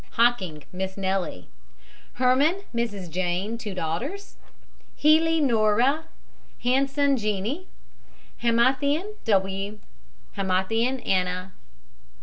HOCKING, MISS NELLIE. HERMAN, MRS. JANE, 2 daughters HEALY, NORA. HANSON, JENNIE. HAMATAINEN, W. HAMATAINEN, ANNA.